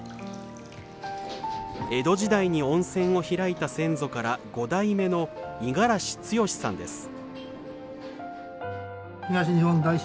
江戸時代に温泉を開いた先祖から５代目の五十嵐強さんです。